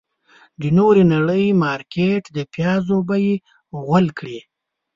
د نورې نړۍ مارکيټ د پيازو بيې غول کړې.